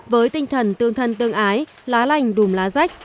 với tinh thần tương thân tương ái lá lành đùm lá rách